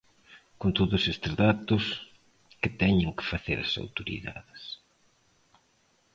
Con todos estes datos, que teñen que facer as autoridades?